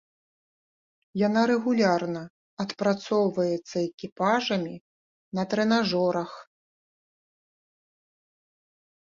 Яна рэгулярна адпрацоўваецца экіпажамі на трэнажорах.